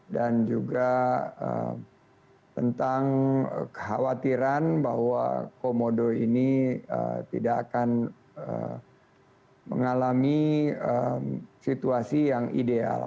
juga tentang kekhawatiran bahwa komodo ini tidak akan mengalami situasi yang ideal